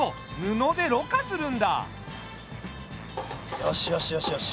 よしよしよしよし。